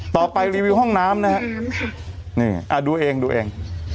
ไปรีวิวห้องน้ำนะฮะนี่ดูเองดูเอง